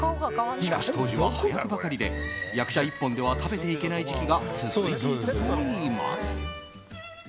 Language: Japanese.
しかし当時は端役ばかりで役者一本では食べていけない時期が続いていたといいます。